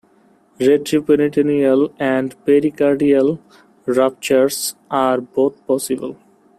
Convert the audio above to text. Retroperitoneal and pericardial ruptures are both possible.